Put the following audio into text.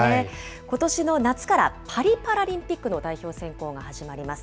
ことしの夏から、パリパラリンピックの代表選考が始まります。